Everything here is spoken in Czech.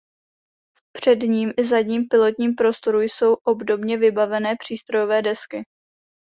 V předním i zadním pilotním prostoru jsou obdobně vybavené přístrojové desky.